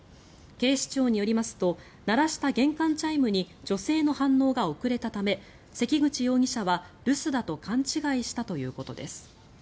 警視庁によりますと鳴らした玄関チャイムに女性の反応が遅れたため関口容疑者は留守だと勘違いしたということです。